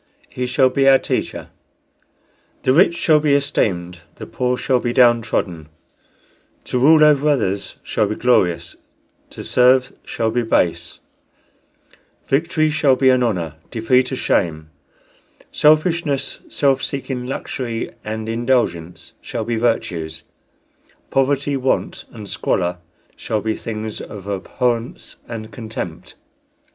He shall be our teacher. The rich shall be esteemed, the poor shall be down trodden; to rule over others shall be glorious, to serve shall be base; victory shall be an honor, defeat a shame; selfishness, self seeking, luxury, and indulgence shall be virtues; poverty, want, and squalor shall be things of abhorrence and contempt."